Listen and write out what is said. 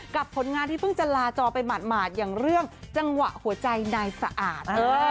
ผลงานที่เพิ่งจะลาจอไปหมาดอย่างเรื่องจังหวะหัวใจนายสะอาด